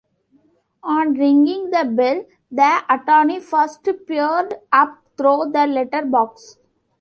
On ringing the bell, the attorney first peered up through the letter-box.